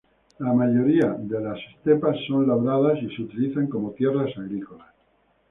La mayoría de las estepas son labradas y se utilizan como tierras agrícolas.